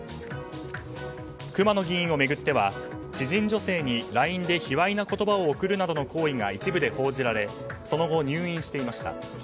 熊野議員を巡っては知人女性にＬＩＮＥで卑猥な言葉を送るなどの行為が一部で報じられその後、入院していました。